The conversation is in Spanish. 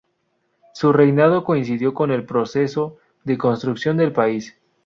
Su reinado coincidió con el proceso de construcción del país.